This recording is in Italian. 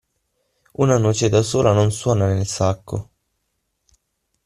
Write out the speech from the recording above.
Una noce da sola non suona nel sacco.